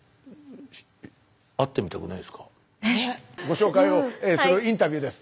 ご紹介をそのインタビューです。